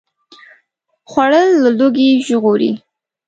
خوړل له لوږې وژغوري